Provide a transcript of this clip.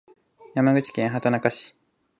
山口県畑中市